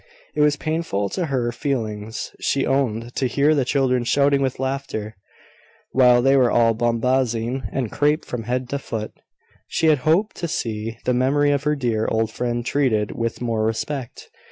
It was painful to her feelings, she owned, to hear the children shouting with laughter, while they were all bombazine and crape from head to foot: she had hoped to see the memory of her dear old friend treated with more respect.